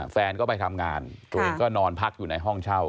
แฟนก็ไปทำงานตัวเองก็นอนพักอยู่ในห้องเช่า